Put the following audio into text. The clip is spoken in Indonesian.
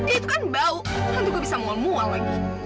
itu kan bau nanti gue bisa mual mual lagi